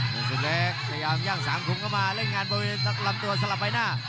ธนูศึกเล็กพยายามย่างสามภูมิเข้ามาเล่นงานบริเวณลำตัวสลับไปหน้า